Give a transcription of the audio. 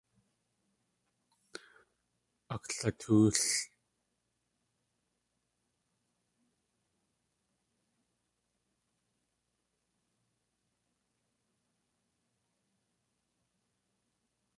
Aklatóol.